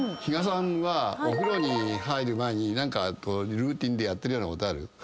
比嘉さんはお風呂に入る前に何かルーティンでやってるようなことある？